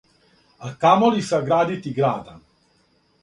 А камоли саградити града!